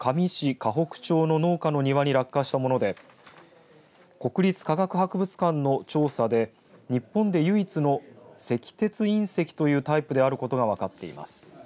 香北町の農家の庭に落下したもので国立科学博物館の調査で日本で唯一の石鉄隕石というタイプであることが分かっています。